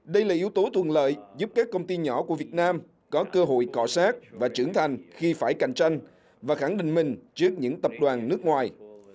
đây là yếu tố thuận lợi giúp các công ty nhỏ của việt nam có cơ hội cọ sát và trưởng thành khi phải cạnh tranh và khẳng định mình trước những tập đoàn nước ngoài